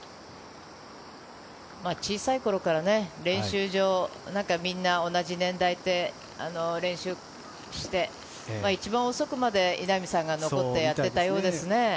小さい頃から練習場なんか、みんな同じ年代で練習して、一番遅くまで稲見さんが残ってやってたようですね。